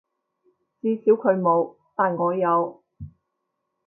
至少佢冇，但我有